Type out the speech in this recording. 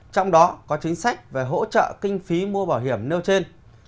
trong đó có chính sách về hỗ trợ kinh phí mua bảo hiểm nêu trên